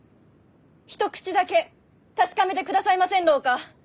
一口だけ確かめてくださいませんろうか？